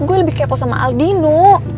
gue lebih kepo sama aldino